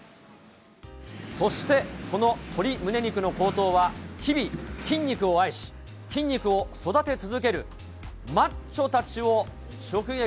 そして、この鶏むね肉の高騰は、日々、筋肉を愛し、筋肉を育て続けるマッチョたちを直撃。